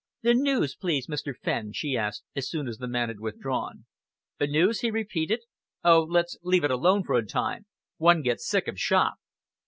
"The news, please, Mr. Fenn?" she asked, as soon as the man had withdrawn. "News?" he repeated. "Oh, let's leave it alone for a time! One gets sick of shop."